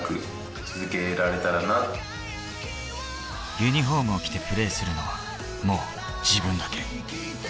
ユニホームを着てプレーするのは、もう自分だけ。